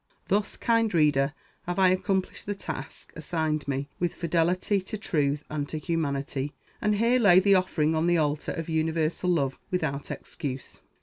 Thus, kind reader, have I accomplished the task assigned me with fidelity to truth and to humanity, and here lay the offering on the altar of universal love without excuse.